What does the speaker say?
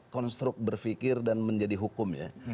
konstruk berfikir dan menjadi hukum ya